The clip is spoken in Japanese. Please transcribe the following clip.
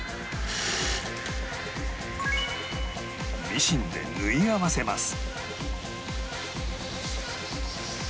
ミシンで縫い合わせます